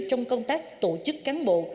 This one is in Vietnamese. trong công tác tổ chức cán bộ